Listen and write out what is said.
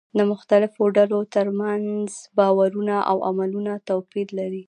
د مختلفو ډلو ترمنځ باورونه او عملونه توپير لري.